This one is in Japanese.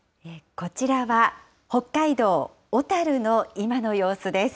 こちらは、北海道小樽の今の様子です。